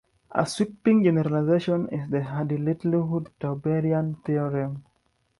A sweeping generalization is the Hardy-Littlewood tauberian theorem.